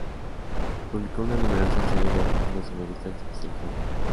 Publicó una numerosa serie de artículos en revistas especializadas.